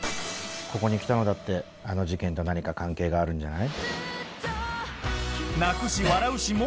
ここに来たのだってあの事件と何か関係があるんじゃない？